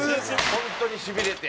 本当にしびれて。